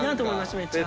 めっちゃ。